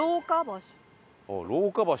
廊下橋。